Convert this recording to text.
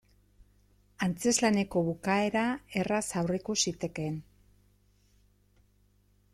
Antzezlaneko bukaera erraz aurreikus zitekeen.